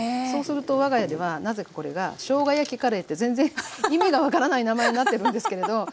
そうすると我が家ではなぜかこれが「しょうが焼きカレー」って全然意味が分からない名前になってるんですけれど。